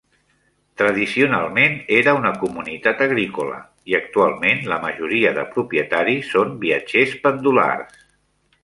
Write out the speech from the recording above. Tradicionalment era una comunitat agrícola i actualment la majoria de propietaris són viatgers pendulars.